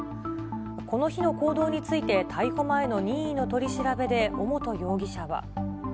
この日の行動について、逮捕前の任意の取り調べで尾本容疑者は。